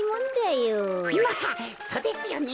まっそうですよね。